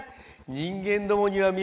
人間どもには見えぬ